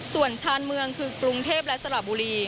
ส่วนชานเมืองคือกรุงเทพและสระบุรี